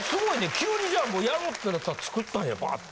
急にじゃあやろってなったら作ったんやバァっと。